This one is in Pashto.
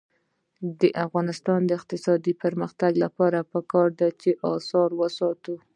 د افغانستان د اقتصادي پرمختګ لپاره پکار ده چې اثار وساتو.